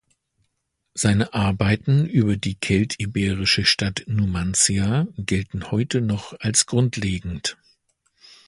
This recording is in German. Seine Arbeiten über die keltiberische Stadt Numantia gelten heute noch als grundlegend.